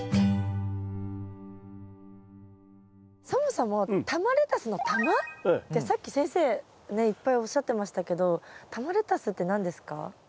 そもそも玉レタスの「玉」ってさっき先生ねっいっぱいおっしゃってましたけど玉レタスって何ですか？